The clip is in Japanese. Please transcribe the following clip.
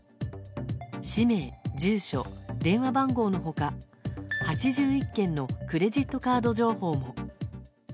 氏名、住所、電話番号の他８１件のクレジットカード情報も。